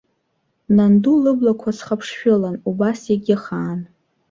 Нанду лыблақәа цхаԥшшәылан, убас иагьыхаан.